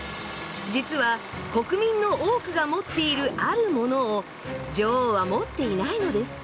実は国民の多くが持っているあるモノを女王は持っていないのです。